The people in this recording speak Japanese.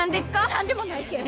何でもないけん。